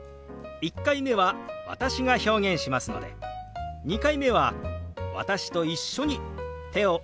１回目は私が表現しますので２回目は私と一緒に手を動かしてみましょう。